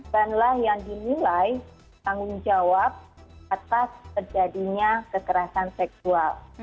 danlah yang dimilai tanggung jawab atas terjadinya kerasan seksual